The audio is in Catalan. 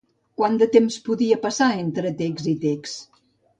Quant de temps podia passar entre text i text?